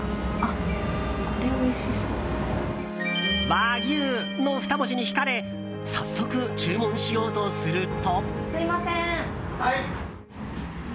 和牛の２文字に引かれ早速注文しようとすると。